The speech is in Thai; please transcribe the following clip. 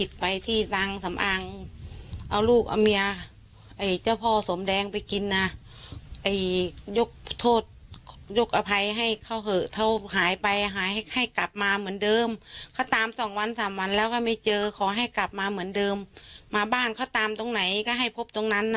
เดี๋ยวดูนะครับช่วงทำพิธีนะครับ